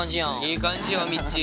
いい感じよみっちー。